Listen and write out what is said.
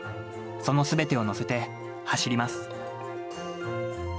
そのすべてを乗せて走ります。